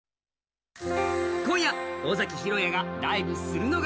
今、夜尾崎裕哉がライブするのが